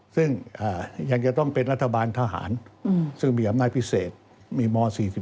ซึ่งยังจะต้องเป็นรัฐบาลทหารซึ่งมีอำนาจพิเศษมีม๔๔